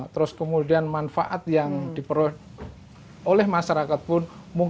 terus kemudian manfaat yang diperoleh oleh masyarakat pun